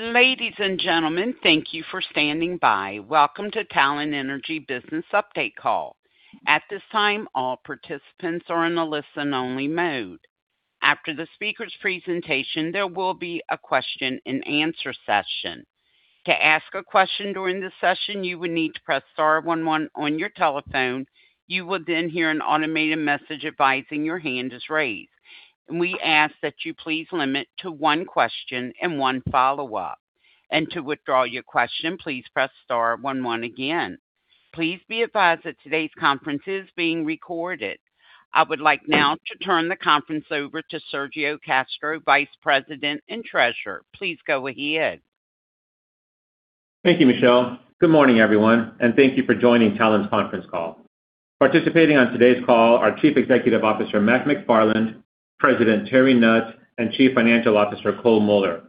Ladies and gentlemen, thank you for standing by. Welcome to Talen Energy Business Update Call. At this time, all participants are in a listen-only mode. After the speaker's presentation, there will be a question-and-answer session. To ask a question during the session, you would need to press star 11 on your telephone. You will then hear an automated message advising your hand is raised. We ask that you please limit to one question and one follow-up, and to withdraw your question, please press star 11 again. Please be advised that today's conference is being recorded. I would like now to turn the conference over to Sergio Castro, Vice President and Treasurer. Please go ahead. Thank you, Michelle. Good morning, everyone, and thank you for joining Talen's conference call. Participating on today's call are Chief Executive Officer Mark McFarland, President Terry Nutt, and Chief Financial Officer Cole Muller.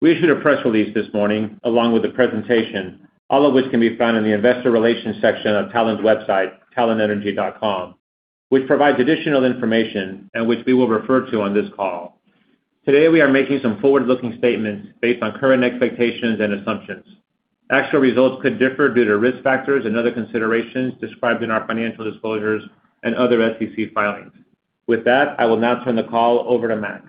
We issued a press release this morning along with a presentation, all of which can be found in the Investor Relations section of Talen's website, talenenergy.com, which provides additional information and which we will refer to on this call. Today, we are making some forward-looking statements based on current expectations and assumptions. Actual results could differ due to risk factors and other considerations described in our financial disclosures and other SEC filings. With that, I will now turn the call over to Mark.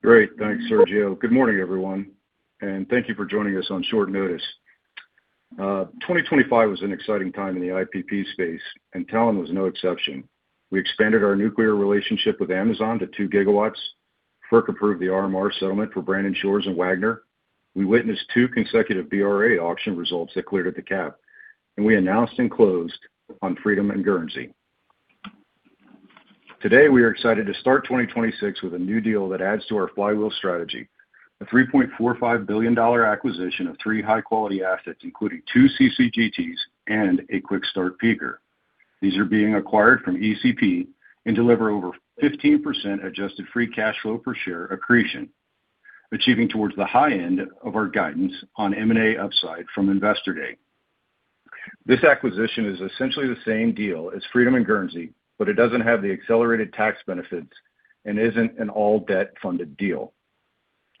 Great. Thanks, Sergio. Good morning, everyone, and thank you for joining us on short notice. 2025 was an exciting time in the IPP space, and Talen was no exception. We expanded our nuclear relationship with Amazon to two gigawatts. FERC approved the RMR settlement for Brandon Shores and H.A. Wagner. We witnessed two consecutive BRA auction results that cleared at the cap, and we announced and closed on Freedom and Guernsey. Today, we are excited to start 2026 with a new deal that adds to our flywheel strategy: a $3.45 billion acquisition of three high-quality assets, including two CCGTs and a quick-start peaker. These are being acquired from ECP and deliver over 15% adjusted free cash flow per share accretion, achieving toward the high end of our guidance on M&A upside from Investor Day. This acquisition is essentially the same deal as Freedom and Guernsey, but it doesn't have the accelerated tax benefits and isn't an all-debt funded deal.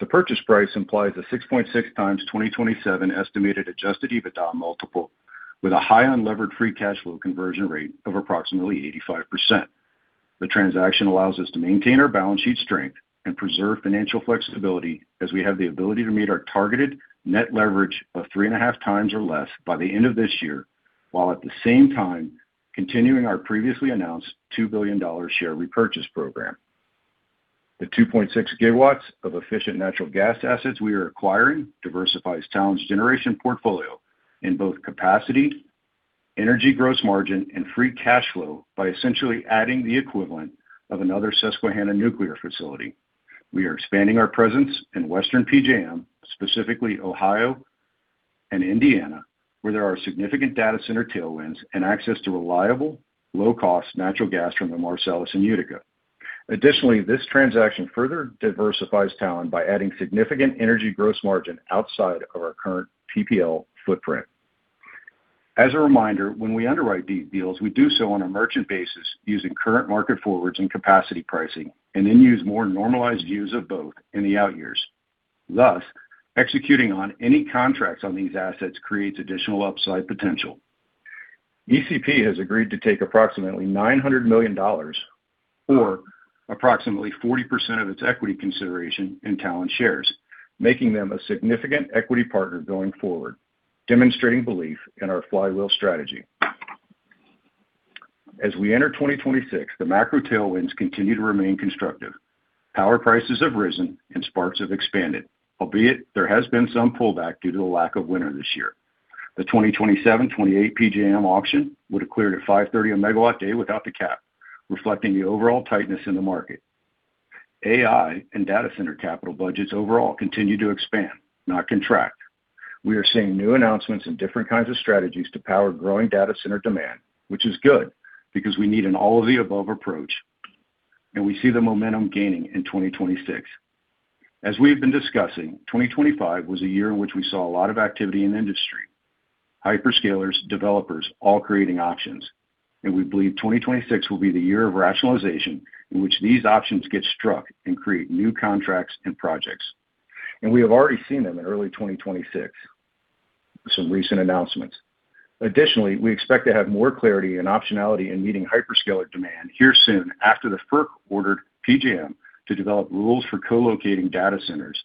The purchase price implies a 6.6 times 2027 estimated Adjusted EBITDA multiple with a high unlevered free cash flow conversion rate of approximately 85%. The transaction allows us to maintain our balance sheet strength and preserve financial flexibility as we have the ability to meet our targeted net leverage of three and a half times or less by the end of this year, while at the same time continuing our previously announced $2 billion share repurchase program. The 2.6 gigawatts of efficient natural gas assets we are acquiring diversifies Talen's generation portfolio in both capacity, energy gross margin, and free cash flow by essentially adding the equivalent of another Susquehanna nuclear facility. We are expanding our presence in Western PJM, specifically Ohio and Indiana, where there are significant data center tailwinds and access to reliable, low-cost natural gas from the Marcellus and Utica. Additionally, this transaction further diversifies Talen by adding significant energy gross margin outside of our current PPL footprint. As a reminder, when we underwrite these deals, we do so on a merchant basis using current market forwards and capacity pricing, and then use more normalized views of both in the out years. Thus, executing on any contracts on these assets creates additional upside potential. ECP has agreed to take approximately $900 million or approximately 40% of its equity consideration in Talen shares, making them a significant equity partner going forward, demonstrating belief in our flywheel strategy. As we enter 2026, the macro tailwinds continue to remain constructive. Power prices have risen and spark spreads have expanded, albeit there has been some pullback due to the lack of winter this year. The 2027-2028 PJM auction would have cleared a 530/MW-day without the cap, reflecting the overall tightness in the market. AI and data center capital budgets overall continue to expand, not contract. We are seeing new announcements and different kinds of strategies to power growing data center demand, which is good because we need an all-of-the-above approach, and we see the momentum gaining in 2026. As we have been discussing, 2025 was a year in which we saw a lot of activity in the industry: hyperscalers, developers, all creating options. We believe 2026 will be the year of rationalization in which these options get struck and create new contracts and projects. We have already seen them in early 2026 with some recent announcements. Additionally, we expect to have more clarity and optionality in meeting hyperscaler demand here soon after the FERC ordered PJM to develop rules for co-locating data centers.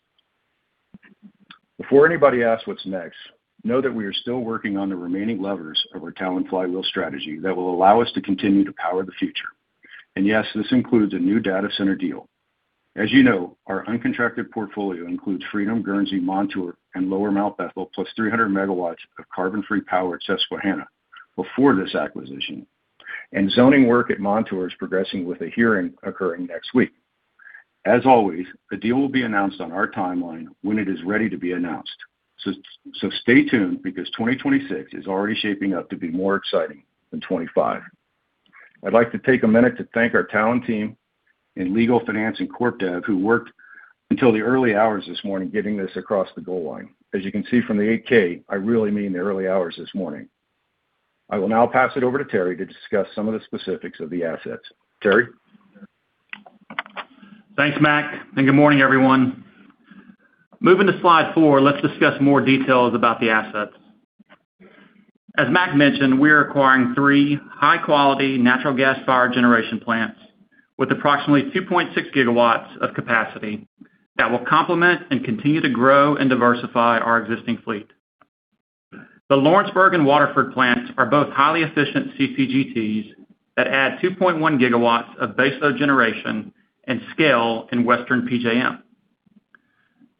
Before anybody asks what's next, know that we are still working on the remaining levers of our Talen flywheel strategy that will allow us to continue to power the future. And yes, this includes a new data center deal. As you know, our uncontracted portfolio includes Freedom, Guernsey, Montour, and Lower Mount Bethel plus 300 megawatts of carbon-free power at Susquehanna before this acquisition, and zoning work at Montour is progressing with a hearing occurring next week. As always, a deal will be announced on our timeline when it is ready to be announced. So stay tuned because 2026 is already shaping up to be more exciting than 2025. I'd like to take a minute to thank our Talen team and Legal, Finance and CorpDev who worked until the early hours this morning getting this across the goal line. As you can see from the 8K, I really mean the early hours this morning. I will now pass it over to Terry to discuss some of the specifics of the assets. Terry. Thanks, Mac. And good morning, everyone. Moving to slide four, let's discuss more details about the assets. As Mac mentioned, we are acquiring three high-quality natural gas power generation plants with approximately 2.6 gigawatts of capacity that will complement and continue to grow and diversify our existing fleet. The Lawrenceburg and Waterford plants are both highly efficient CCGTs that add 2.1 gigawatts of baseload generation and scale in Western PJM.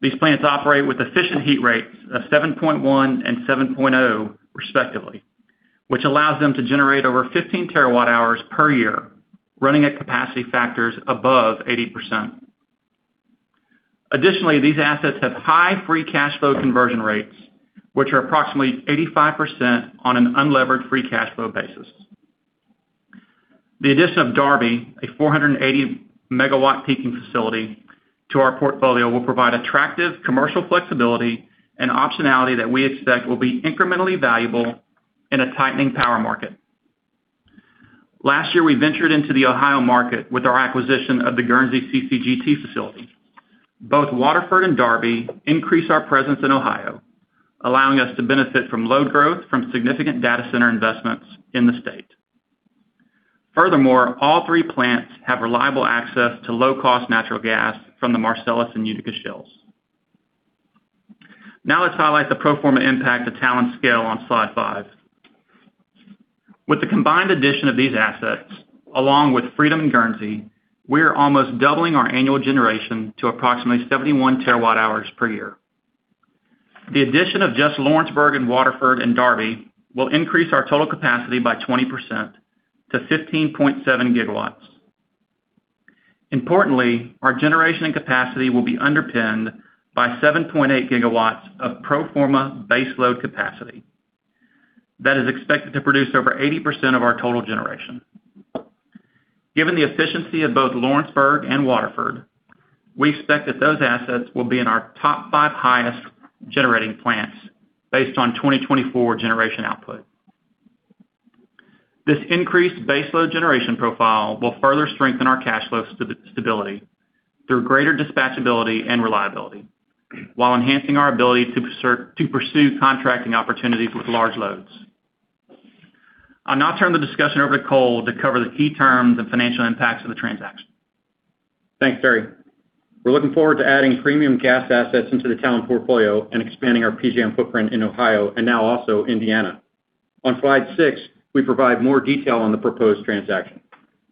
These plants operate with efficient heat rates of 7.1 and 7.0, respectively, which allows them to generate over 15 terawatt hours per year running at capacity factors above 80%. Additionally, these assets have high free cash flow conversion rates, which are approximately 85% on an unlevered free cash flow basis. The addition of Darby, a 480-megawatt peaking facility, to our portfolio will provide attractive commercial flexibility and optionality that we expect will be incrementally valuable in a tightening power market. Last year, we ventured into the Ohio market with our acquisition of the Guernsey CCGT facility. Both Waterford and Darby increase our presence in Ohio, allowing us to benefit from load growth from significant data center investments in the state. Furthermore, all three plants have reliable access to low-cost natural gas from the Marcellus and Utica Shales. Now let's highlight the pro forma impact of Talen's scale on slide five. With the combined addition of these assets, along with Freedom and Guernsey, we are almost doubling our annual generation to approximately 71 terawatt hours per year. The addition of just Lawrenceburg and Waterford and Darby will increase our total capacity by 20% to 15.7 gigawatts. Importantly, our generation and capacity will be underpinned by 7.8 gigawatts of pro forma baseload capacity that is expected to produce over 80% of our total generation. Given the efficiency of both Lawrenceburg and Waterford, we expect that those assets will be in our top five highest generating plants based on 2024 generation output. This increased baseload generation profile will further strengthen our cash flow stability through greater dispatchability and reliability while enhancing our ability to pursue contracting opportunities with large loads. I'll now turn the discussion over to Cole to cover the key terms and financial impacts of the transaction. Thanks, Terry. We're looking forward to adding premium gas assets into the Talen portfolio and expanding our PJM footprint in Ohio and now also Indiana. On slide six, we provide more detail on the proposed transaction.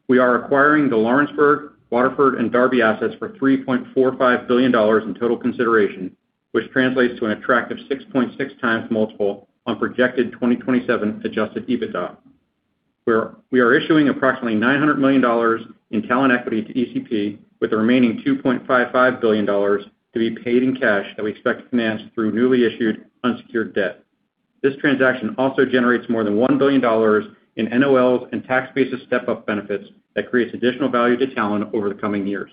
We are acquiring the Lawrenceburg, Waterford, and Darby assets for $3.45 billion in total consideration, which translates to an attractive 6.6 times multiple on projected 2027 adjusted EBITDA. We are issuing approximately $900 million in Talen equity to ECP, with the remaining $2.55 billion to be paid in cash that we expect to finance through newly issued unsecured debt. This transaction also generates more than $1 billion in NOLs and tax-based step-up benefits that creates additional value to Talen over the coming years.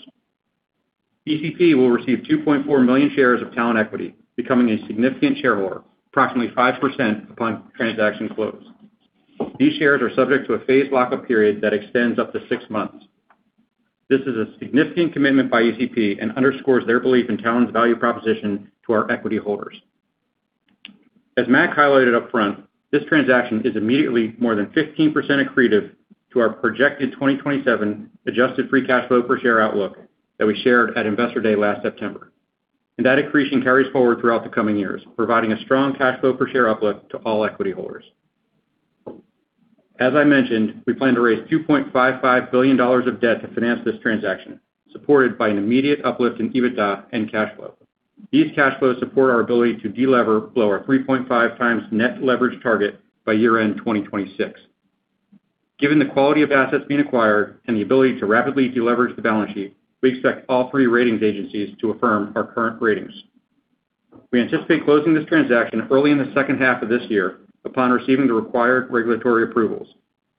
ECP will receive 2.4 million shares of Talen equity, becoming a significant shareholder, approximately 5% upon transaction close. These shares are subject to a phased lockup period that extends up to six months. This is a significant commitment by ECP and underscores their belief in Talen's value proposition to our equity holders. As Mac highlighted upfront, this transaction is immediately more than 15% accretive to our projected 2027 adjusted free cash flow per share outlook that we shared at investor day last September, and that accretion carries forward throughout the coming years, providing a strong cash flow per share outlook to all equity holders. As I mentioned, we plan to raise $2.55 billion of debt to finance this transaction, supported by an immediate uplift in EBITDA and cash flow. These cash flows support our ability to delever below our 3.5 times net leverage target by year-end 2026. Given the quality of assets being acquired and the ability to rapidly deleverage the balance sheet, we expect all three ratings agencies to affirm our current ratings. We anticipate closing this transaction early in the second half of this year upon receiving the required regulatory approvals,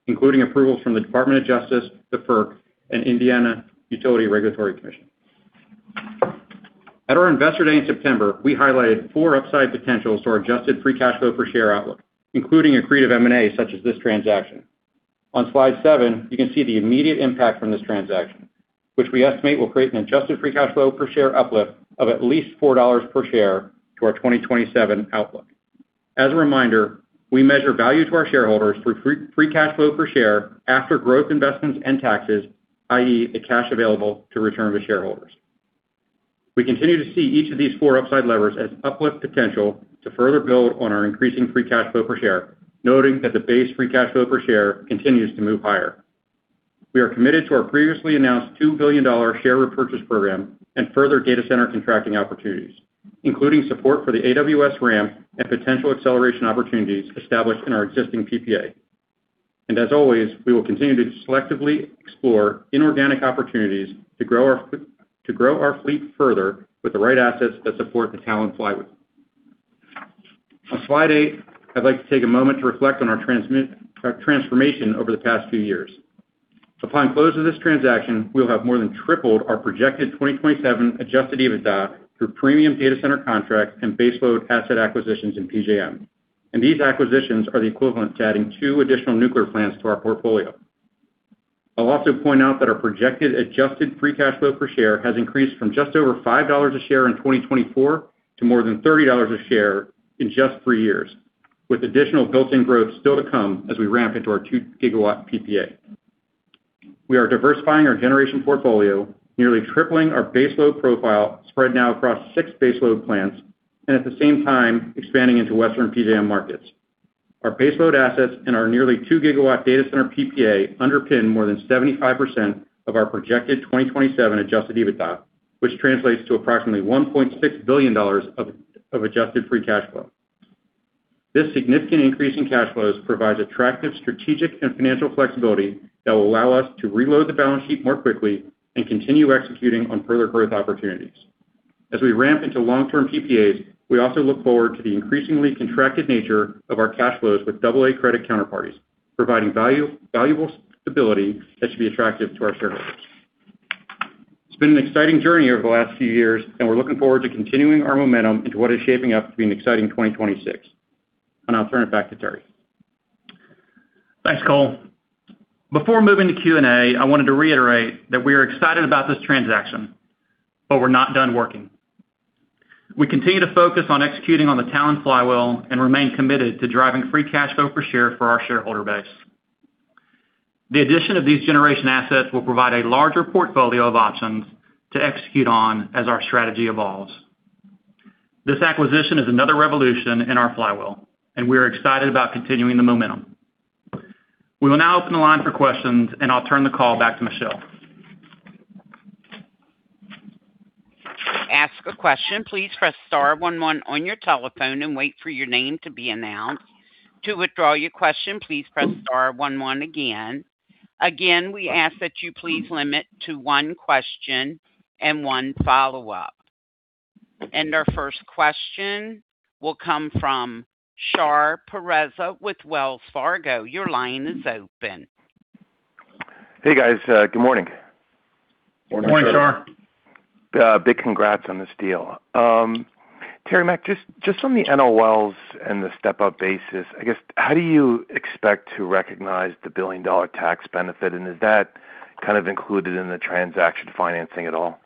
including approvals from the Department of Justice, the FERC, and Indiana Utility Regulatory Commission. At our investor day in September, we highlighted four upside potentials to our adjusted free cash flow per share outlook, including accretive M&A such as this transaction. On slide seven, you can see the immediate impact from this transaction, which we estimate will create an adjusted free cash flow per share uplift of at least $4 per share to our 2027 outlook. As a reminder, we measure value to our shareholders through free cash flow per share after growth investments and taxes, i.e., the cash available to return to shareholders. We continue to see each of these four upside levers as uplift potential to further build on our increasing free cash flow per share, noting that the base free cash flow per share continues to move higher. We are committed to our previously announced $2 billion share repurchase program and further data center contracting opportunities, including support for the AWS ramp and potential acceleration opportunities established in our existing PPA. As always, we will continue to selectively explore inorganic opportunities to grow our fleet further with the right assets that support the Talen flywheel. On slide eight, I'd like to take a moment to reflect on our transformation over the past few years. Upon close of this transaction, we will have more than tripled our projected 2027 Adjusted EBITDA through premium data center contracts and baseload asset acquisitions in PJM. These acquisitions are the equivalent to adding two additional nuclear plants to our portfolio. I'll also point out that our projected adjusted free cash flow per share has increased from just over $5 a share in 2024 to more than $30 a share in just three years, with additional built-in growth still to come as we ramp into our 2-gigawatt PPA. We are diversifying our generation portfolio, nearly tripling our baseload profile spread now across six baseload plants and at the same time expanding into Western PJM markets. Our baseload assets and our nearly 2-gigawatt data center PPA underpin more than 75% of our projected 2027 adjusted EBITDA, which translates to approximately $1.6 billion of adjusted free cash flow. This significant increase in cash flows provides attractive strategic and financial flexibility that will allow us to reload the balance sheet more quickly and continue executing on further growth opportunities. As we ramp into long-term PPAs, we also look forward to the increasingly contracted nature of our cash flows with AA credit counterparties, providing valuable stability that should be attractive to our shareholders. It's been an exciting journey over the last few years, and we're looking forward to continuing our momentum into what is shaping up to be an exciting 2026. And I'll turn it back to Terry. Thanks, Cole. Before moving to Q&A, I wanted to reiterate that we are excited about this transaction, but we're not done working. We continue to focus on executing on the Talen flywheel and remain committed to driving free cash flow per share for our shareholder base. The addition of these generation assets will provide a larger portfolio of options to execute on as our strategy evolves. This acquisition is another revolution in our flywheel, and we are excited about continuing the momentum. We will now open the line for questions, and I'll turn the call back to Michelle. Ask a question, please press star 11 on your telephone and wait for your name to be announced. To withdraw your question, please press star 11 again. Again, we ask that you please limit to one question and one follow-up. And our first question will come from Shar Pourreza with Wells Fargo. Your line is open. Hey, guys. Good morning. Good morning, Shar. Big congrats on this deal. Terry Nutt, just on the NOLs and the step-up basis, I guess, how do you expect to recognize the $1 billion tax benefit? And is that kind of included in the transaction financing at all?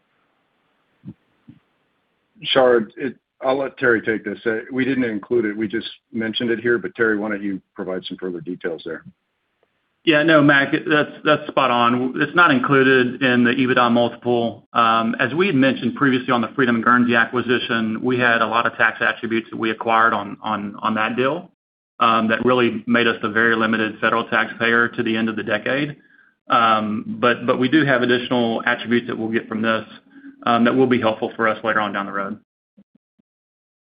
Shar, I'll let Terry take this. We didn't include it. We just mentioned it here, but Terry, why don't you provide some further details there? Yeah, no, Mac, that's spot on. It's not included in the EBITDA multiple. As we had mentioned previously on the Freedom and Guernsey acquisition, we had a lot of tax attributes that we acquired on that deal that really made us the very limited federal taxpayer to the end of the decade. But we do have additional attributes that we'll get from this that will be helpful for us later on down the road.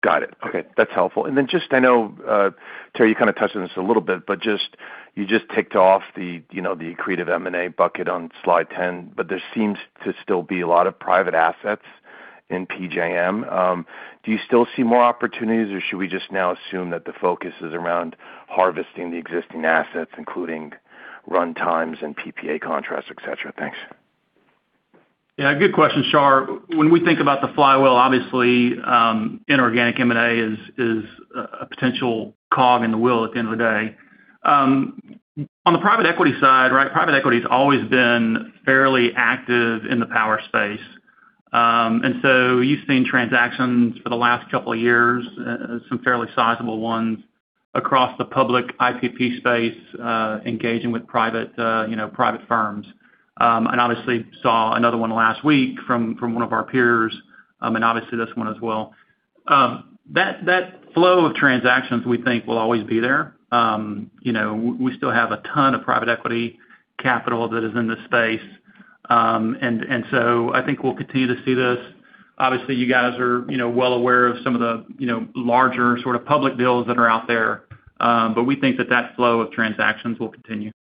Got it. Okay. That's helpful. And then just, I know, Terry, you kind of touched on this a little bit, but you just ticked off the accretive M&A bucket on slide 10, but there seems to still be a lot of private assets in PJM. Do you still see more opportunities, or should we just now assume that the focus is around harvesting the existing assets, including runtimes and PPA contracts, etc.? Thanks. Yeah, good question, Shar. When we think about the flywheel, obviously, inorganic M&A is a potential cog in the wheel at the end of the day. On the private equity side, right, private equity has always been fairly active in the power space. And so you've seen transactions for the last couple of years, some fairly sizable ones across the public IPP space, engaging with private firms. And obviously, saw another one last week from one of our peers, and obviously, this one as well. That flow of transactions, we think, will always be there. We still have a ton of private equity capital that is in this space. And so I think we'll continue to see this. Obviously, you guys are well aware of some of the larger sort of public deals that are out there, but we think that that flow of transactions will continue.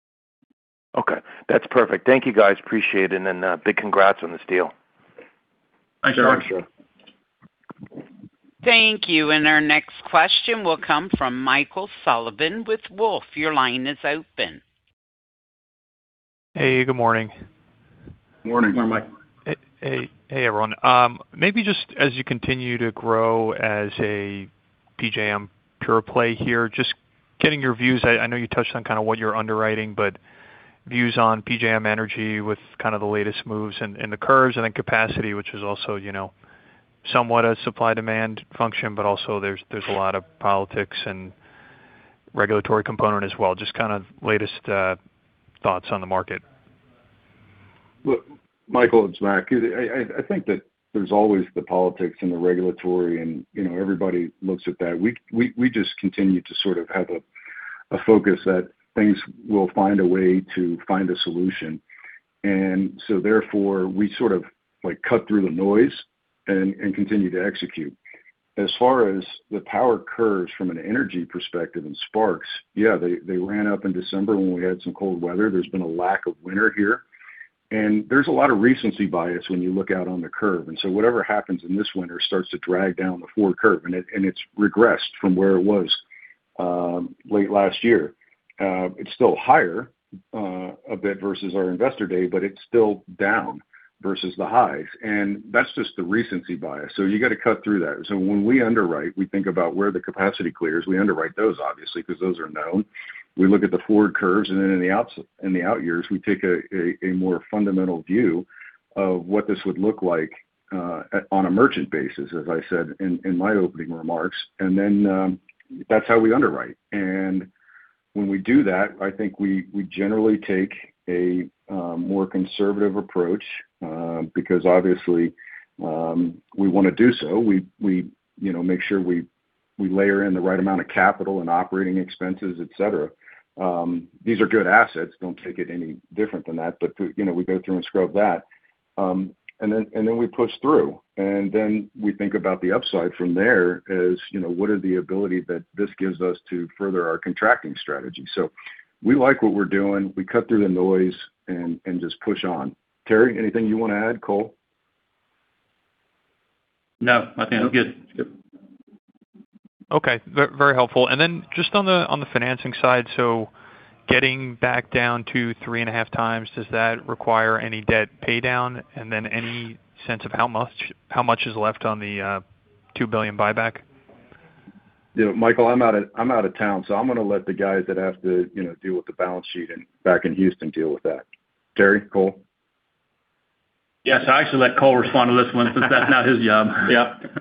Okay. That's perfect. Thank you, guys. Appreciate it. And then big congrats on this deal. Thanks, Shar. Thanks, Shar. Thank you. And our next question will come from Michael Sullivan with Wolfe. Your line is open. Hey, good morning. Good morning. Good morning, Mike. Hey, everyone. Maybe just as you continue to grow as a PJM pure play here, just getting your views. I know you touched on kind of what you're underwriting, but views on PJM Energy with kind of the latest moves in the curves and then capacity, which is also somewhat a supply-demand function, but also there's a lot of politics and regulatory component as well. Just kind of latest thoughts on the market? Look, Michael and Zack, I think that there's always the politics and the regulatory, and everybody looks at that. We just continue to sort of have a focus that things will find a way to find a solution. And so therefore, we sort of cut through the noise and continue to execute. As far as the power curves from an energy perspective and spark spreads, yeah, they ran up in December when we had some cold weather. There's been a lack of winter here. And there's a lot of recency bias when you look out on the curve. And so whatever happens in this winter starts to drag down the forward curve, and it's regressed from where it was late last year. It's still higher a bit versus our investor day, but it's still down versus the highs. And that's just the recency bias. So you got to cut through that. So when we underwrite, we think about where the capacity clears. We underwrite those, obviously, because those are known. We look at the forward curves, and then in the out years, we take a more fundamental view of what this would look like on a merchant basis, as I said in my opening remarks. And then that's how we underwrite. And when we do that, I think we generally take a more conservative approach because, obviously, we want to do so. We make sure we layer in the right amount of capital and operating expenses, etc. These are good assets. Don't take it any different than that, but we go through and scrub that. And then we push through. And then we think about the upside from there as what are the ability that this gives us to further our contracting strategy. So we like what we're doing. We cut through the noise and just push on. Terry, anything you want to add, Cole? No, I think I'm good. Okay. Very helpful. And then just on the financing side, so getting back down to three and a half times, does that require any debt paydown and then any sense of how much is left on the $2 billion buyback? Yeah. Michael, I'm out of town, so I'm going to let the guys that have to deal with the balance sheet and back in Houston deal with that. Terry, Cole? Yes. I actually let Cole respond to this one since that's not his job. Yep.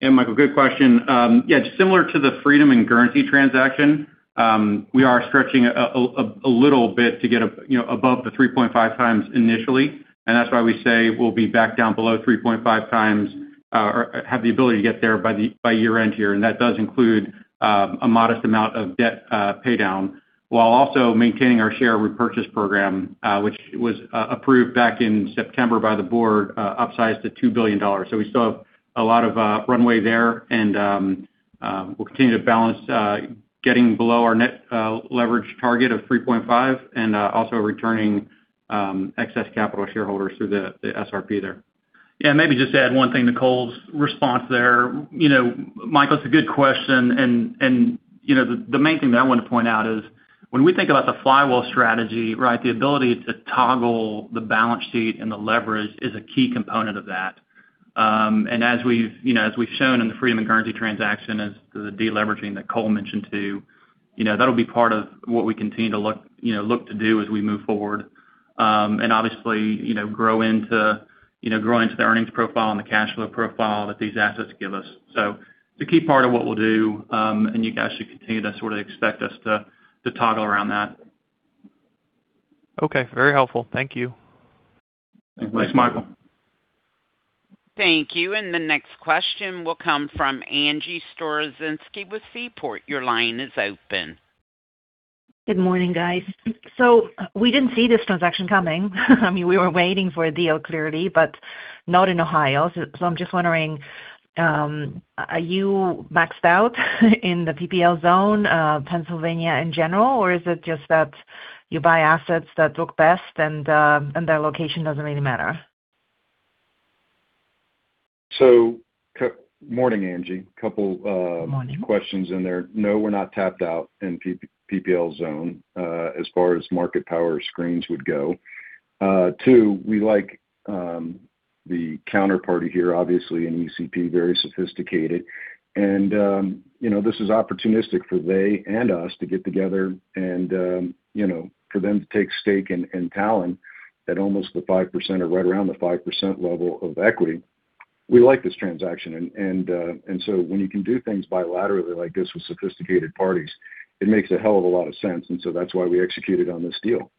Yeah, Michael, good question. Yeah, similar to the Freedom and Guernsey transaction, we are stretching a little bit to get above the 3.5 times initially. And that's why we say we'll be back down below 3.5 times or have the ability to get there by year-end here. And that does include a modest amount of debt paydown while also maintaining our share repurchase program, which was approved back in September by the board, upsized to $2 billion. So we still have a lot of runway there, and we'll continue to balance getting below our net leverage target of 3.5 and also returning excess capital shareholders through the SRP there. Yeah. Maybe just to add one thing to Cole's response there, Michael, it's a good question. And the main thing that I wanted to point out is when we think about the flywheel strategy, right, the ability to toggle the balance sheet and the leverage is a key component of that. And as we've shown in the Freedom and Guernsey transaction as the deleveraging that Cole mentioned too, that'll be part of what we continue to look to do as we move forward and obviously grow into the earnings profile and the cash flow profile that these assets give us. So it's a key part of what we'll do, and you guys should continue to sort of expect us to toggle around that. Okay. Very helpful. Thank you. Thanks, Michael. Thank you. And the next question will come from Angie Storozynski with Seaport. Your line is open. Good morning, guys. So we didn't see this transaction coming. I mean, we were waiting for a deal clearly, but not in Ohio. So I'm just wondering, are you maxed out in the PPL zone, Pennsylvania in general, or is it just that you buy assets that look best and their location doesn't really matter? Good morning, Angie. A couple of questions in there. Good morning. No, we're not tapped out in PPL zone as far as market power screens would go. Two, we like the counterparty here, obviously, in ECP, very sophisticated. And this is opportunistic for they and us to get together and for them to take stake in Talen at almost the 5% or right around the 5% level of equity. We like this transaction. And so when you can do things bilaterally like this with sophisticated parties, it makes a hell of a lot of sense. And so that's why we executed on this deal.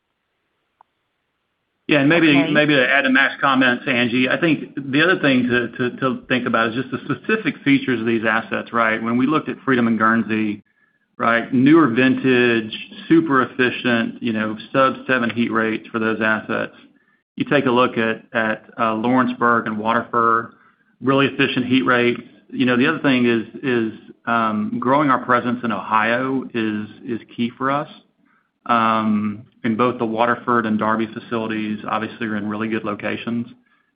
Yeah. And maybe to add my comment to Angie, I think the other thing to think about is just the specific features of these assets, right? When we looked at Freedom and Guernsey, right, newer vintage, super efficient, sub-7 heat rates for those assets. You take a look at Lawrenceburg and Waterford, really efficient heat rates. The other thing is growing our presence in Ohio is key for us. And both the Waterford and Darby facilities, obviously, are in really good locations.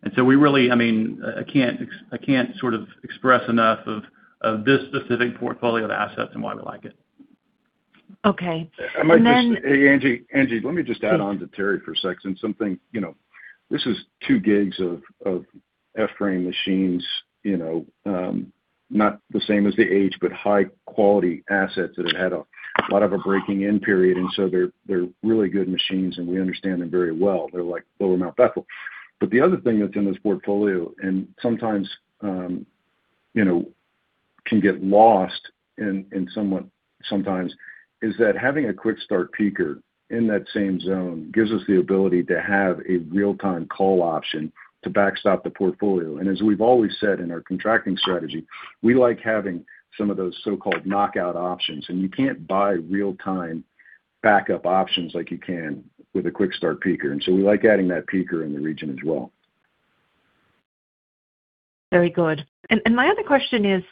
And so we really, I mean, I can't sort of express enough of this specific portfolio of assets and why we like it. Okay. And then. Hey, Angie. Angie, let me just add on to Terry for a second. This is two GE's F-frame machines, not the same as the H, but high-quality assets that have had a lot of a breaking-in period. And so they're really good machines, and we understand them very well. They're like Lower Mount Bethel. But the other thing that's in this portfolio and sometimes can get lost in the shuffle sometimes is that having a quick start peaker in that same zone gives us the ability to have a real-time call option to backstop the portfolio. And as we've always said in our contracting strategy, we like having some of those so-called knockout options. And you can't buy real-time backup options like you can with a quick start peaker. And so we like adding that peaker in the region as well. Very good. And my other question is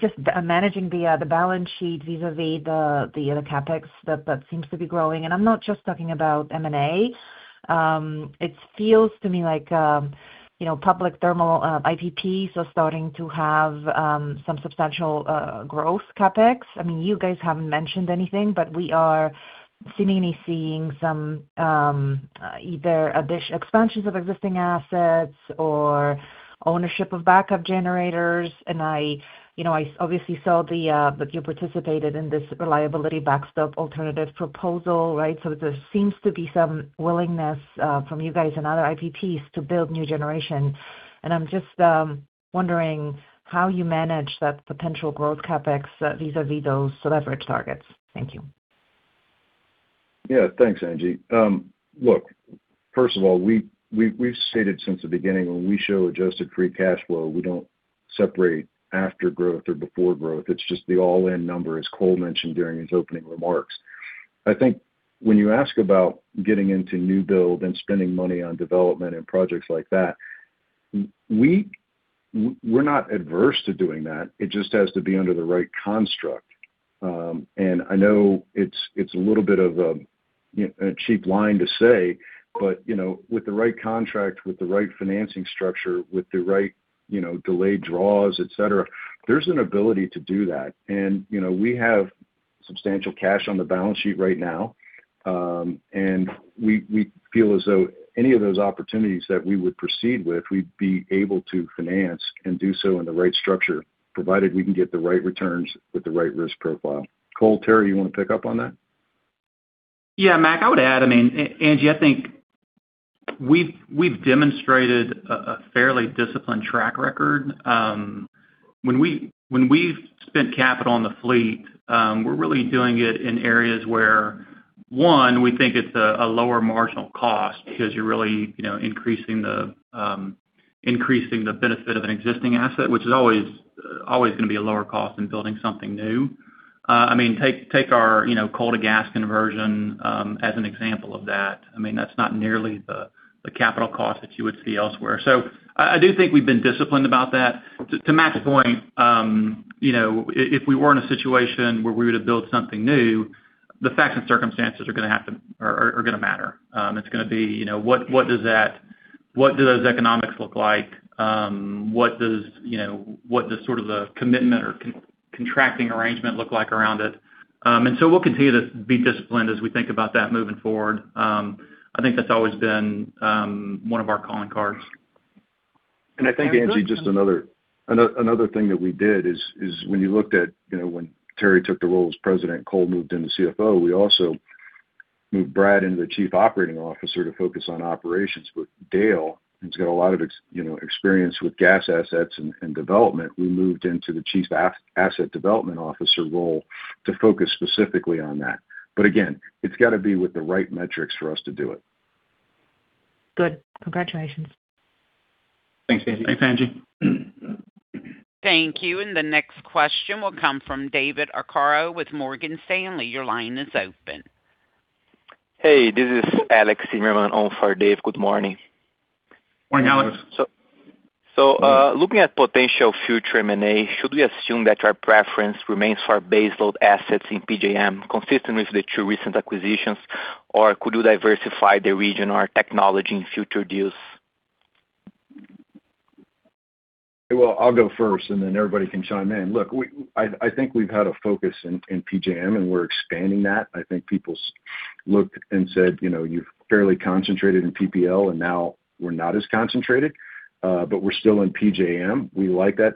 just managing the balance sheet vis-à-vis the CapEx that seems to be growing. And I'm not just talking about M&A. It feels to me like public thermal IPPs are starting to have some substantial growth, CapEx. I mean, you guys haven't mentioned anything, but we are seemingly seeing some either expansions of existing assets or ownership of backup generators. And I obviously saw that you participated in this Reliability Backstop Alternative proposal, right? So there seems to be some willingness from you guys and other IPPs to build new generation. And I'm just wondering how you manage that potential growth CapEx vis-à-vis those leverage targets. Thank you. Yeah. Thanks, Angie. Look, first of all, we've stated since the beginning when we show adjusted free cash flow, we don't separate after growth or before growth. It's just the all-in number, as Cole mentioned during his opening remarks. I think when you ask about getting into new build and spending money on development and projects like that, we're not adverse to doing that. It just has to be under the right construct. And I know it's a little bit of a cheap line to say, but with the right contract, with the right financing structure, with the right delayed draws, etc., there's an ability to do that. And we have substantial cash on the balance sheet right now. We feel as though any of those opportunities that we would proceed with, we'd be able to finance and do so in the right structure, provided we can get the right returns with the right risk profile. Cole, Terry, you want to pick up on that? Yeah, Mac, I would add. I mean, Angie, I think we've demonstrated a fairly disciplined track record. When we've spent capital on the fleet, we're really doing it in areas where, one, we think it's a lower marginal cost because you're really increasing the benefit of an existing asset, which is always going to be a lower cost in building something new. I mean, take our coal-to-gas conversion as an example of that. I mean, that's not nearly the capital cost that you would see elsewhere. So I do think we've been disciplined about that. To Mac's point, if we were in a situation where we were to build something new, the facts and circumstances are going to have to matter. It's going to be what do those economics look like? What does sort of the commitment or contracting arrangement look like around it? We'll continue to be disciplined as we think about that moving forward. I think that's always been one of our calling cards. And I think, Angie, just another thing that we did is when you looked at when Terry took the role as President, Cole moved into CFO. We also moved Brad into the Chief Operating Officer to focus on operations. But Dale, who's got a lot of experience with gas assets and development, we moved into the Chief Asset Development Officer role to focus specifically on that. But again, it's got to be with the right metrics for us to do it. Good. Congratulations. Thanks, Angie. Thanks, Angie. Thank you. And the next question will come from David Arcaro with Morgan Stanley. Your line is open. Hey, this is Alex Zimmerman on for Dave. Good morning. Morning, Alex. So looking at potential future M&A, should we assume that our preference remains for baseload assets in PJM consistent with the two recent acquisitions, or could you diversify the region or technology in future deals? I'll go first, and then everybody can chime in. Look, I think we've had a focus in PJM, and we're expanding that. I think people looked and said, "You've fairly concentrated in PPL, and now we're not as concentrated, but we're still in PJM." We like that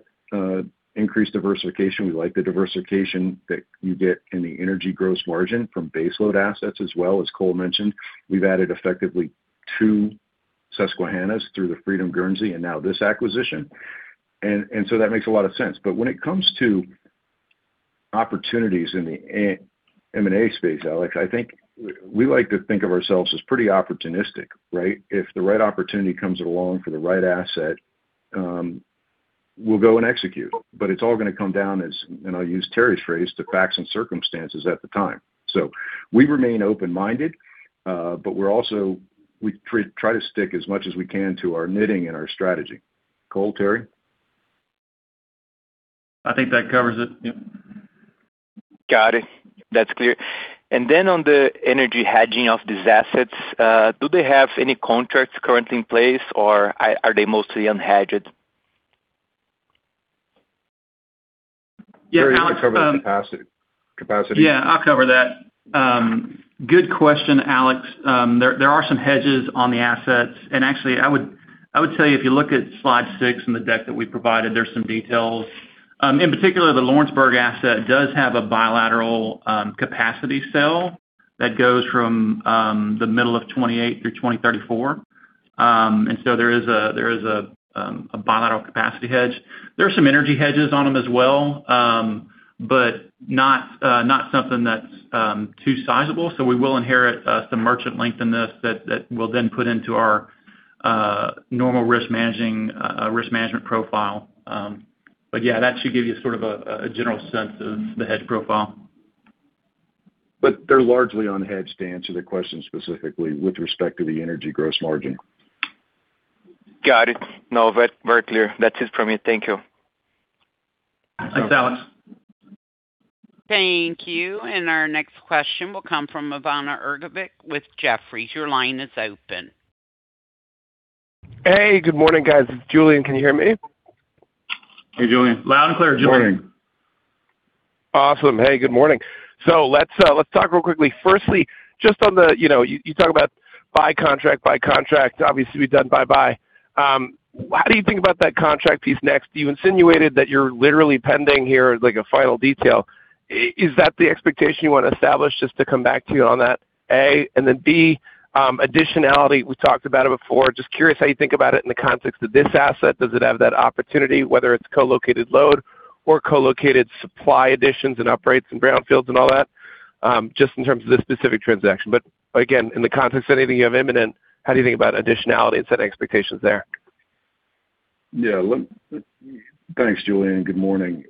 increased diversification. We like the diversification that you get in the energy gross margin from baseload assets, as well as Cole mentioned. We've added effectively two Susquehannas through the Freedom and Guernsey and now this acquisition. And so that makes a lot of sense. But when it comes to opportunities in the M&A space, Alex, I think we like to think of ourselves as pretty opportunistic, right? If the right opportunity comes along for the right asset, we'll go and execute. But it's all going to come down, as I'll use Terry's phrase, to facts and circumstances at the time. So we remain open-minded, but we try to stick as much as we can to our knitting and our strategy. Cole, Terry? I think that covers it. Got it. That's clear. And then on the energy hedging of these assets, do they have any contracts currently in place, or are they mostly unhedged? Yeah, Alex. Capacity. Yeah, I'll cover that. Good question, Alex. There are some hedges on the assets, and actually, I would tell you, if you look at slide six in the deck that we provided, there's some details. In particular, the Lawrenceburg asset does have a bilateral capacity sale that goes from the middle of 2028 through 2034, and so there is a bilateral capacity hedge. There are some energy hedges on them as well, but not something that's too sizable, so we will inherit some merchant length in this that we'll then put into our normal risk management profile, but yeah, that should give you sort of a general sense of the hedge profile, but they're largely unhedged to answer the question specifically with respect to the energy gross margin. Got it. No, very clear. That's it from me. Thank you. Thanks, Alex. Thank you. And our next question will come from Ivana Ergovic with Jefferies. Your line is open. Hey, good morning, guys. It's Julian. Can you hear me? Hey, Julian. Loud and clear, Julian. Awesome. Hey, good morning. So let's talk real quickly. Firstly, just on the you talk about buy contract, buy contract. Obviously, we've done buy buy. How do you think about that contract piece next? You insinuated that you're literally pending here like a final detail. Is that the expectation you want to establish just to come back to you on that? A, and then B, additionality. We talked about it before. Just curious how you think about it in the context of this asset. Does it have that opportunity, whether it's co-located load or co-located supply additions and uprates and brownfields and all that, just in terms of this specific transaction? But again, in the context of anything you have imminent, how do you think about additionality and setting expectations there? Yeah. Thanks, Julian. Good morning.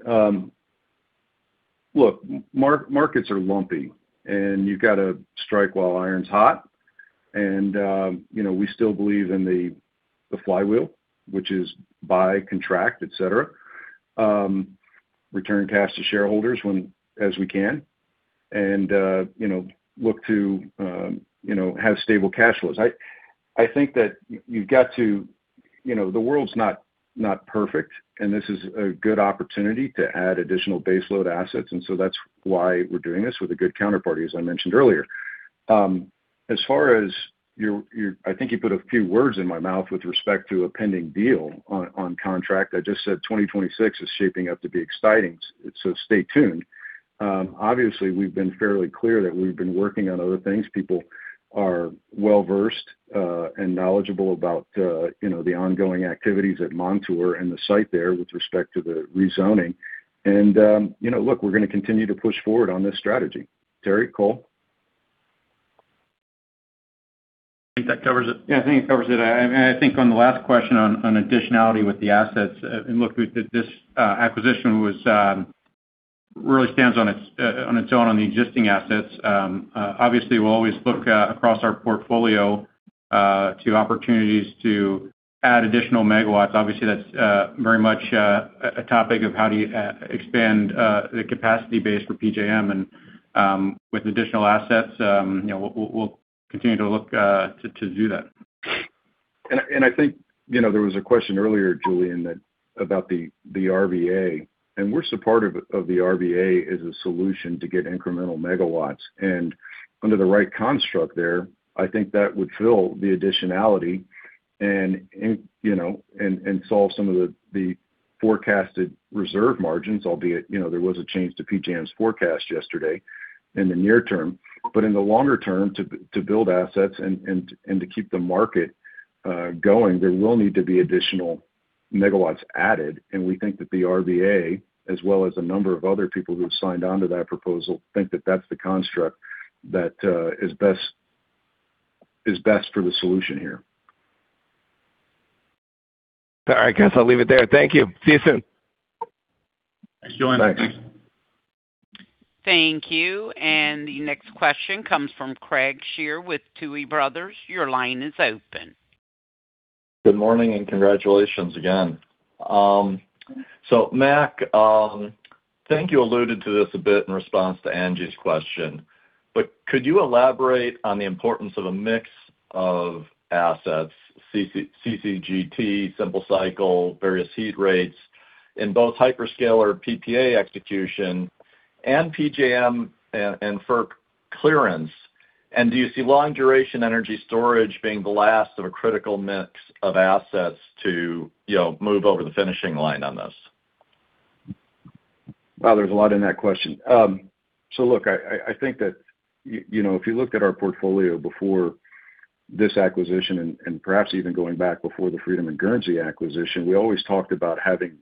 Look, markets are lumpy, and you've got to strike while iron's hot. And we still believe in the flywheel, which is buy, contract, etc., return cash to shareholders as we can, and look to have stable cash flows. I think that you've got to the world's not perfect, and this is a good opportunity to add additional base-load assets. And so that's why we're doing this with a good counterparty, as I mentioned earlier. As far as your I think you put a few words in my mouth with respect to a pending deal on contract. I just said 2026 is shaping up to be exciting, so stay tuned. Obviously, we've been fairly clear that we've been working on other things. People are well-versed and knowledgeable about the ongoing activities at Montour and the site there with respect to the rezoning. Look, we're going to continue to push forward on this strategy. Terry, Cole? I think that covers it. Yeah, I think it covers it. I think on the last question on additionality with the assets, and look, this acquisition really stands on its own on the existing assets. Obviously, we'll always look across our portfolio to opportunities to add additional megawatts. Obviously, that's very much a topic of how do you expand the capacity base for PJM, and with additional assets, we'll continue to look to do that. And I think there was a question earlier, Julian, about the RBA. And we're supportive of the RBA as a solution to get incremental megawatts. And under the right construct there, I think that would fill the additionality and solve some of the forecasted reserve margins, albeit there was a change to PJM's forecast yesterday in the near term. But in the longer term, to build assets and to keep the market going, there will need to be additional megawatts added. And we think that the RBA, as well as a number of other people who have signed on to that proposal, think that that's the construct that is best for the solution here. I guess I'll leave it there. Thank you. See you soon. Thanks, Julian. Thanks. Thank you. And the next question comes from Craig Shere with Tudor, Pickering, Holt & Co. Your line is open. Good morning and congratulations again. So Mac, I think you alluded to this a bit in response to Angie's question, but could you elaborate on the importance of a mix of assets, CCGT, simple cycle, various heat rates in both hyperscaler PPA execution and PJM and FERC clearance? And do you see long-duration energy storage being the last of a critical mix of assets to move over the finishing line on this? Wow, there's a lot in that question. So look, I think that if you looked at our portfolio before this acquisition and perhaps even going back before the Freedom and Guernsey acquisition, we always talked about having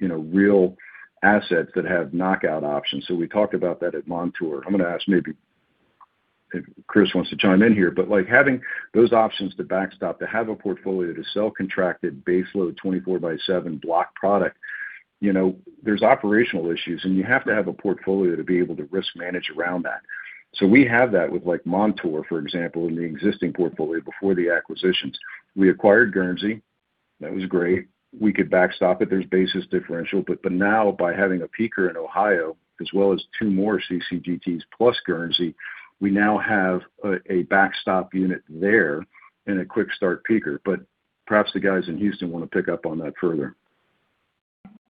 real assets that have knockout options. So we talked about that at Montour. I'm going to ask maybe if Chris wants to chime in here, but having those options to backstop, to have a portfolio to sell contracted baseload 24 by 7 block product, there's operational issues, and you have to have a portfolio to be able to risk manage around that. So we have that with Montour, for example, in the existing portfolio before the acquisitions. We acquired Guernsey. That was great. We could backstop it. There's basis differential. But now, by having a peaker in Ohio, as well as two more CCGTs plus Guernsey, we now have a backstop unit there and a quick start peaker. But perhaps the guys in Houston want to pick up on that further.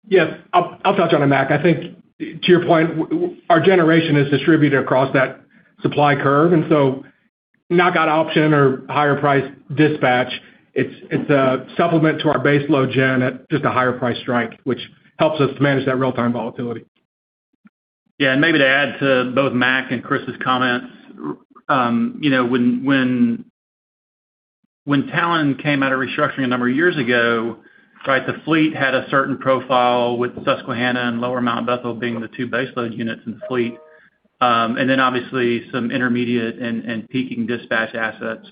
Yeah. I'll touch on it, Mac. I think, to your point, our generation is distributed across that supply curve. And so knockout option or higher price dispatch, it's a supplement to our base-load gen at just a higher price strike, which helps us to manage that real-time volatility. Yeah. And maybe to add to both Mac and Chris's comments, when Talen came out of restructuring a number of years ago, right, the fleet had a certain profile with Susquehanna and Lower Mount Bethel being the two base-load units in the fleet, and then obviously some intermediate and peaking dispatch assets.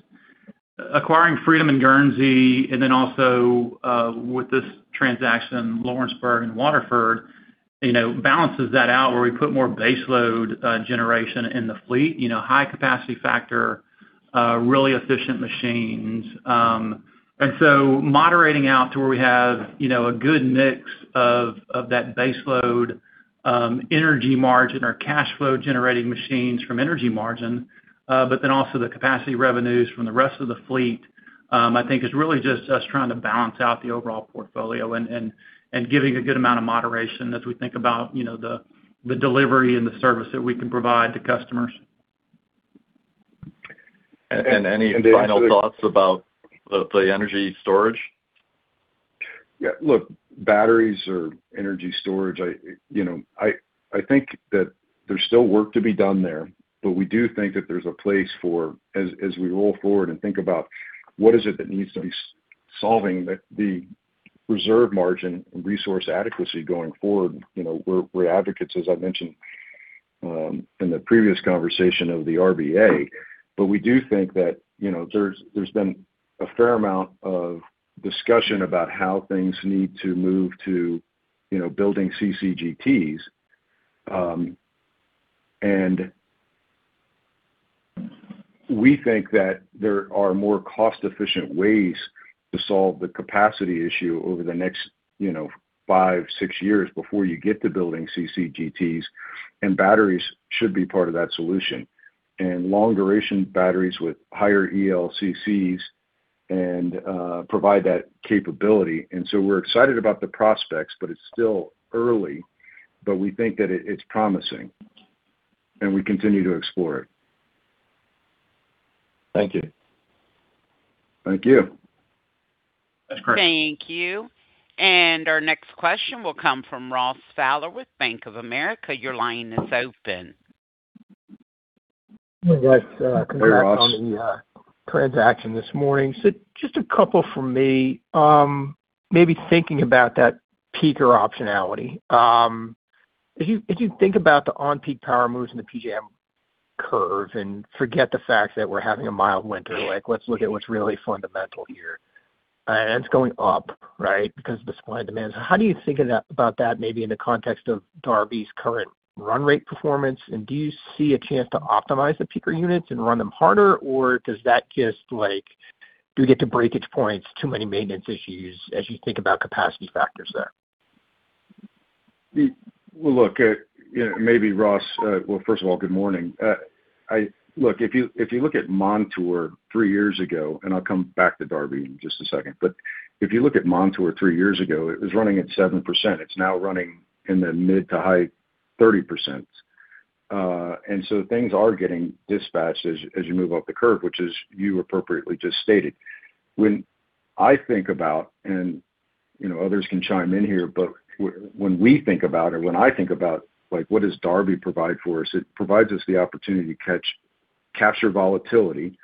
Acquiring Freedom and Guernsey, and then also with this transaction, Lawrenceburg and Waterford, balances that out where we put more base-load generation in the fleet, high capacity factor, really efficient machines. And so moderating out to where we have a good mix of that baseload energy margin or cash flow generating machines from energy margin, but then also the capacity revenues from the rest of the fleet, I think is really just us trying to balance out the overall portfolio and giving a good amount of moderation as we think about the delivery and the service that we can provide to customers. Any final thoughts about the energy storage? Yeah. Look, batteries or energy storage, I think that there's still work to be done there, but we do think that there's a place for, as we roll forward and think about what is it that needs to be solving the reserve margin and resource adequacy going forward. We're advocates, as I mentioned in the previous conversation, of the RBA, but we do think that there's been a fair amount of discussion about how things need to move to building CCGTs. And we think that there are more cost-efficient ways to solve the capacity issue over the next five, six years before you get to building CCGTs. And batteries should be part of that solution. And long-duration batteries with higher ELCCs provide that capability. And so we're excited about the prospects, but it's still early, but we think that it's promising. And we continue to explore it. Thank you. Thank you. Thank you. Thank you. And our next question will come from Ross Fowler with Bank of America. Your line is open. Hey, Ross. Hey, Ross. On the transaction this morning. So just a couple for me, maybe thinking about that peaker optionality. As you think about the on-peak power moves in the PJM curve and forget the fact that we're having a mild winter, let's look at what's really fundamental here. And it's going up, right, because of the supply and demand. So how do you think about that maybe in the context of Darby's current run rate performance? And do you see a chance to optimize the peaker units and run them harder, or does that just do we get to breakage points, too many maintenance issues as you think about capacity factors there? Well, look, maybe Ross. Well, first of all, good morning. Look, if you look at Montour three years ago, and I'll come back to Darby in just a second, but if you look at Montour three years ago, it was running at 7%. It's now running in the mid- to high 30%. And so things are getting dispatched as you move up the curve, which is you appropriately just stated. When I think about, and others can chime in here, but when we think about it, when I think about what does Darby provide for us, it provides us the opportunity to capture volatility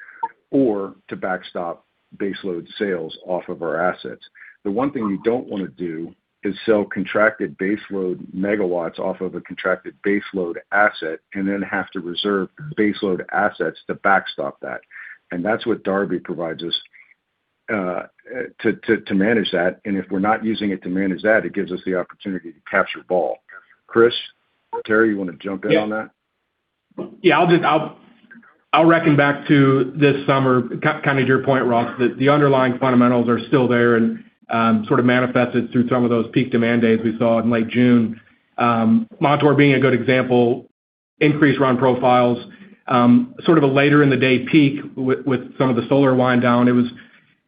or to backstop base-load sales off of our assets. The one thing you don't want to do is sell contracted base-load megawatts off of a contracted base-load asset and then have to reserve base-load assets to backstop that. And that's what Darby provides us to manage that. And if we're not using it to manage that, it gives us the opportunity to capture vol. Chris, Terry, you want to jump in on that? Yeah. I'll reach back to this summer, kind of to your point, Ross, that the underlying fundamentals are still there and sort of manifested through some of those peak demand days we saw in late June. Montour being a good example, increased run profiles, sort of a later in the day peak with some of the solar winding down. It was,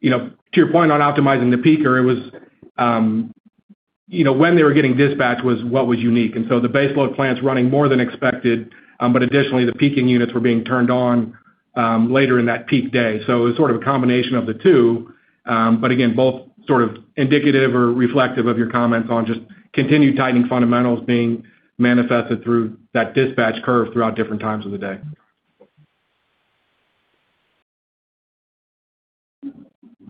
to your point on optimizing the peaker, it was when they were getting dispatched was what was unique. And so the baseload plants running more than expected, but additionally, the peaking units were being turned on later in that peak day. So it was sort of a combination of the two. But again, both sort of indicative or reflective of your comments on just continued tightening fundamentals being manifested through that dispatch curve throughout different times of the day.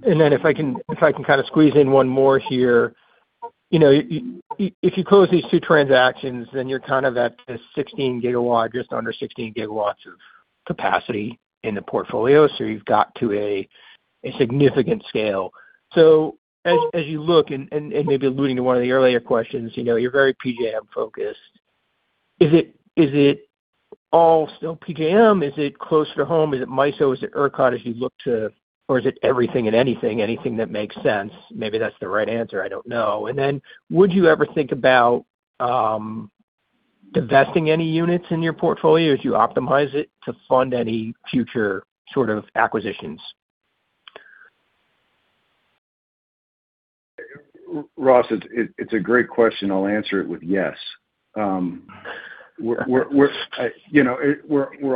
And then, if I can kind of squeeze in one more here, if you close these two transactions, then you're kind of at the 16 gigawatt, just under 16 gigawatts of capacity in the portfolio. So you've got to a significant scale. So as you look, and maybe alluding to one of the earlier questions, you're very PJM-focused. Is it all still PJM? Is it closer to home? Is it MISO? Is it ERCOT as you look to, or is it everything and anything, anything that makes sense? Maybe that's the right answer. I don't know. And then would you ever think about divesting any units in your portfolio as you optimize it to fund any future sort of acquisitions? Ross, it's a great question. I'll answer it with yes. We're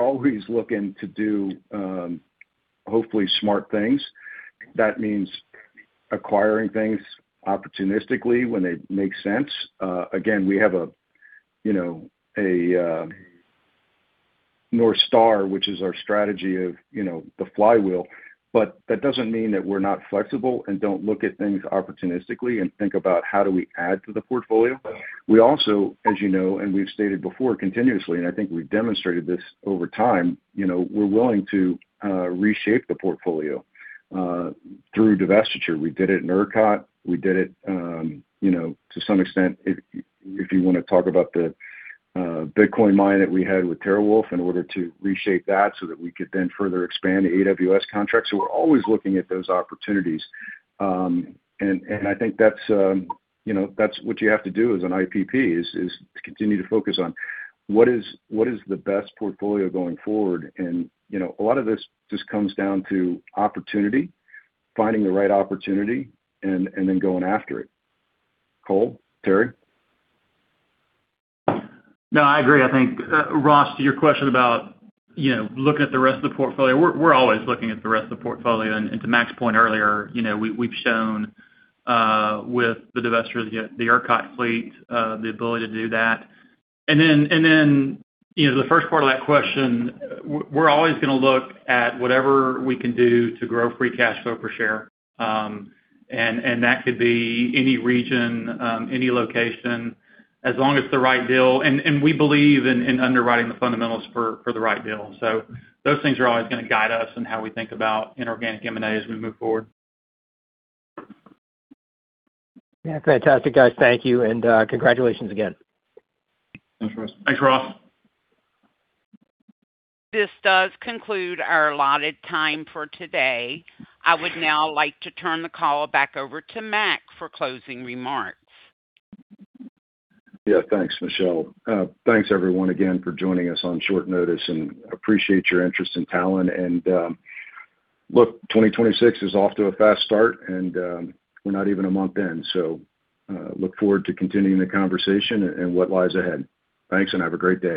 always looking to do hopefully smart things. That means acquiring things opportunistically when they make sense. Again, we have a North Star, which is our strategy of the Flywheel, but that doesn't mean that we're not flexible and don't look at things opportunistically and think about how do we add to the portfolio. We also, as you know, and we've stated before continuously, and I think we've demonstrated this over time, we're willing to reshape the portfolio through divestiture. We did it in ERCOT. We did it to some extent, if you want to talk about the Bitcoin mine that we had with TeraWulf in order to reshape that so that we could then further expand the AWS contract. So we're always looking at those opportunities. And I think that's what you have to do as an IPP is continue to focus on what is the best portfolio going forward. And a lot of this just comes down to opportunity, finding the right opportunity, and then going after it. Cole, Terry? No, I agree. I think, Ross, to your question about looking at the rest of the portfolio, we're always looking at the rest of the portfolio. And to Mac's point earlier, we've shown with the divestiture, the ERCOT fleet, the ability to do that. And then the first part of that question, we're always going to look at whatever we can do to grow free cash flow per share. And that could be any region, any location, as long as it's the right deal. And we believe in underwriting the fundamentals for the right deal. So those things are always going to guide us in how we think about inorganic M&A as we move forward. Yeah. Fantastic, guys. Thank you. And congratulations again. Thanks, Ross. Thanks, Ross. This does conclude our allotted time for today. I would now like to turn the call back over to Mac for closing remarks. Yeah. Thanks, Michelle. Thanks, everyone, again for joining us on short notice. And appreciate your interest in Talen. And look, 2026 is off to a fast start, and we're not even a month in. So look forward to continuing the conversation and what lies ahead. Thanks, and have a great day.